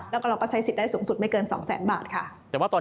แล้วก็เราใช้สิทธิสูงสุดไม่เกิน๒๐๐๐๐๐บาท